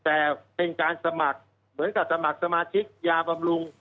แต่เป็นการสมัครเหมือนกับสมัครสมาชิกยาบำรุง